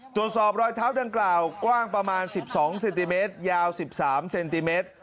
ตรวจสอบรอยเท้าดังกล่าวกว้างประมาณ๑๒เซนติเมตรยาว๑๓เซนติเมตร